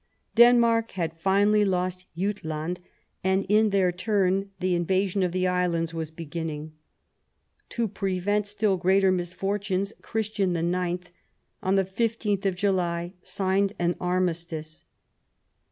Denmark had finally lost Jutland, and, in their turn, the invasion of the islands was beginning. To prevent still greater misfortunes, Christian IX, on the 15th of July, signed an armistice.